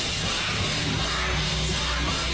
ส่วนยังแบร์ดแซมแบร์ด